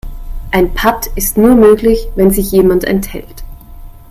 Ein Patt ist nur möglich, wenn sich jemand enthält.